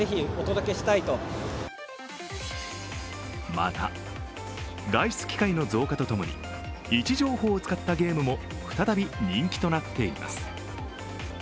また、外出機会の増加とともに位置情報を使ったゲームも再び人気となっています。